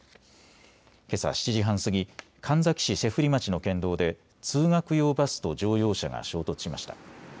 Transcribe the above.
けさ７時半過ぎ、神埼市脊振町の県道で通学用バスと乗用車が衝突しました。